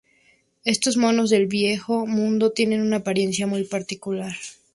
Estos monos del Viejo Mundo tienen una apariencia muy particular.